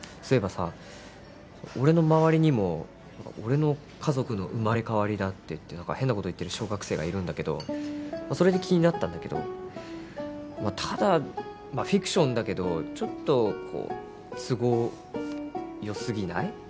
そういえばさ俺の周りにも俺の家族の生まれ変わりだっていってなんか変なこと言ってる小学生がいるんだけどそれで気になったんだけどただまあフィクションだけどちょっとこう都合よすぎない？